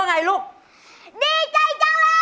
วตักไทย